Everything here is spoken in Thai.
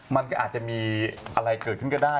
มันก็อาจจะมีอะไรเกิดขึ้นก็ได้